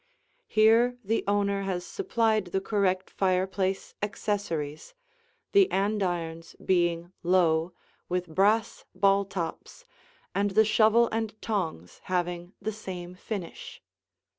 Here the owner has supplied the correct fireplace accessories, the andirons being low with brass ball tops, and the shovel and tongs having the same finish.